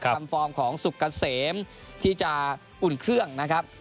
ฟอร์มของสุกเกษมที่จะอุ่นเครื่องนะครับ